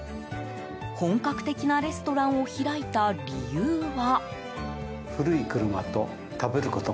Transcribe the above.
本格的なレストランを開いた理由は。